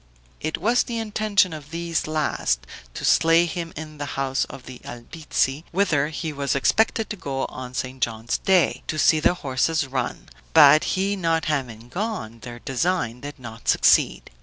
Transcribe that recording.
It was the intention of these last, to slay him in the house of the Albizzi, whither he was expected to go on St. John's day, to see the horses run, but he not having gone, their design did not succeed.